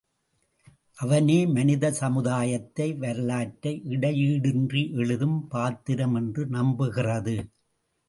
அவனே மனித சமுதாயத்தை வரலாற்றை இடையீடின்றி எழுதும் பாத்திரம் என்று நம்புகிறது.